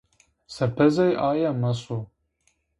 Serpezê ae maso.